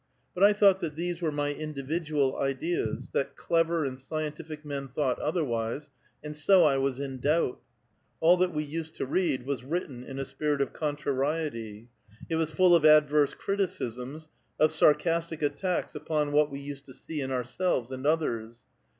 But I thought that these were my individual ideas, that clever and scientific men thought otherwise, and so 1 was in doubt. All that we used to read was written in a spirit of contrariety ; it was full of adverse criticisms, of sarcastic attacks ui)(>n what we used to see in oureelves and others.